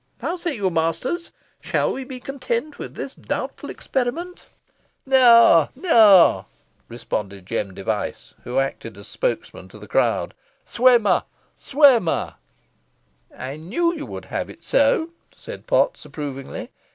How say you, masters! Shall we be content with this doubtful experiment?" "Neaw neaw," responded Jem Device, who acted as spokesman to the crowd, "swim her swim her!" "I knew you would have it so," said Potts, approvingly.